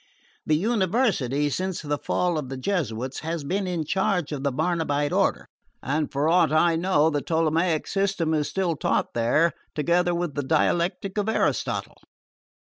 The University, since the fall of the Jesuits, has been in charge of the Barnabite order, and, for aught I know, the Ptolemaic system is still taught there, together with the dialectic of Aristotle.